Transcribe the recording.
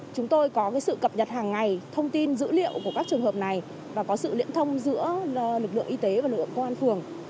chúng tôi có sự cập nhật hàng ngày thông tin dữ liệu của các trường hợp này và có sự liên thông giữa lực lượng y tế và lực lượng công an phường